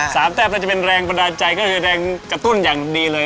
แต้มก็จะเป็นแรงบันดาลใจก็คือแรงกระตุ้นอย่างดีเลย